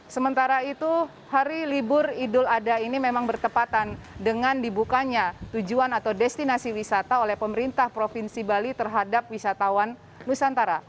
sementara itu hari libur idul adha ini memang bertepatan dengan dibukanya tujuan atau destinasi wisata oleh pemerintah provinsi bali terhadap wisatawan nusantara